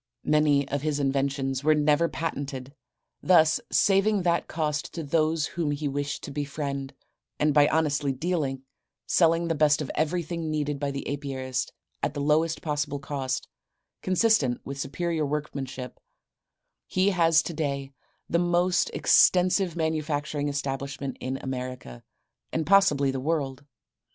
Many of his inventions were never patented, thus saving that cost to those whom he wished to befriend, and by honest dealing, selling the best of everything needed by the apiarist at the lowest possible cost consistent with superior workmanship, he has today, the most extensive manufacturing establishment in America, and possibly the world.